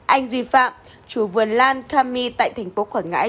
anh duy phạm chủ vườn lan camy tại thành phố quảng ngãi